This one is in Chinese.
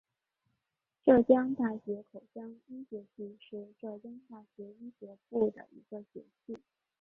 浙江大学口腔医学系是浙江大学医学部的一个学系。